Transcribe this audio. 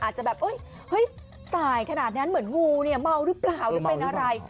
อาจจะแบบเฮ้ยสายขนาดนั้นเหมือนงูเนี่ยเมาหรือเปล่าหรือเป็นอะไร